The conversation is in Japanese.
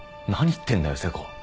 何言ってんだよ瀬古。